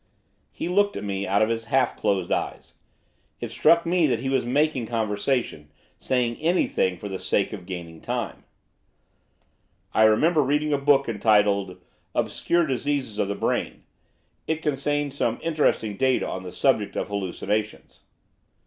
He looked at me out of his half closed eyes. It struck me that he was making conversation, saying anything for the sake of gaining time. 'I remember reading a book entitled "Obscure Diseases of the Brain." It contained some interesting data on the subject of hallucinations.